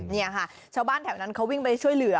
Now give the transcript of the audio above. นี่ค่ะชาวบ้านแถวนั้นเขาวิ่งไปช่วยเหลือ